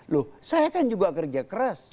loh saya kan juga kerja keras